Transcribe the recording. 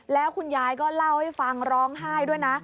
แล้วคุณยายก็เล่าให้ฟังร้องไห้ด้วยนะ